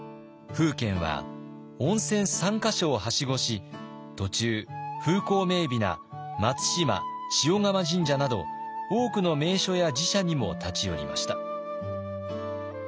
楓軒は温泉３か所をはしごし途中風光明美な松島鹽竈神社など多くの名所や寺社にも立ち寄りました。